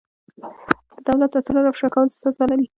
د دولت اسرار افشا کول څه سزا لري؟